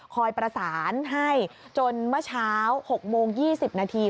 คอยประสานให้จนเมื่อเช้า๖โมง๒๐นาที